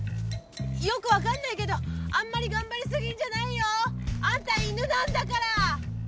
よく分かんないけどあんまり頑張りすぎんじゃないよ！あんた犬なんだから！